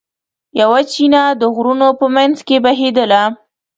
یوه چینه د غرونو په منځ کې بهېدله.